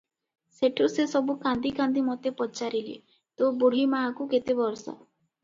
ସେଠୁ ସେ ସବୁ କାନ୍ଦି କାନ୍ଦି ମୋତେ ପଚାରିଲେ ତୋ ବୁଢ଼ୀମାଆକୁ କେତେ ବର୍ଷ?